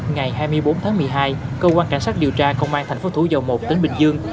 ngày hai mươi bốn tháng một mươi hai cơ quan cảnh sát điều tra công an tp thú dầu một tỉnh bình dương